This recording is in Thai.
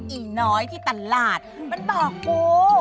อิ่งน้อยที่ตลาดมันบอกกู